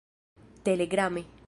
telegrame